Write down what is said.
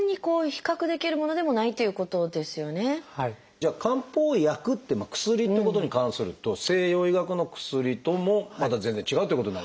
じゃあ漢方薬って薬っていうことに関すると西洋医学の薬ともまた全然違うっていうことになりますね当然。